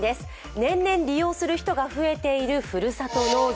年々利用する人が増えているふるさと納税。